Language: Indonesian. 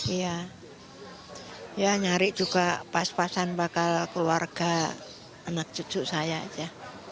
iya ya nyari juga pas pasan bakal keluarga anak cucu saya aja